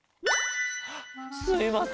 すいません。